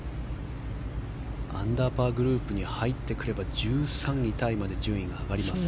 アンダーパーグループに入ってくれば１３位タイまで順位が上がります。